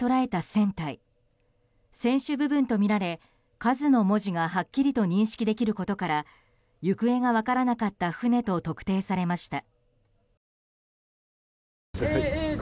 船首部分とみられ「ＫＡＺＵ」の文字がはっきりと認識できることから行方が分からなかった船と特定されました。